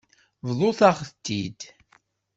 Bḍut-aɣ-t-id.